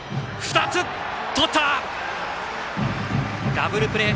ダブルプレー！